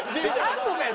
あるのかよ？